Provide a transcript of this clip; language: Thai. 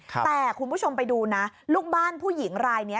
แต่คุณผู้ชมไปดูนะลูกบ้านผู้หญิงรายนี้